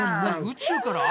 宇宙から？